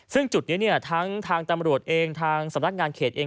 ซึ่งจุดนี้เนี่ยทั้งทางตำรวจเองทางสำนักงานเขตเอง